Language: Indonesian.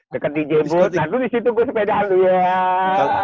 deket dj boots nah lu disitu gue sepedahan tuh ya